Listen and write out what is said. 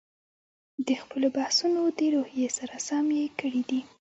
د خپلو بحثونو د روحیې سره سم یې کړي دي.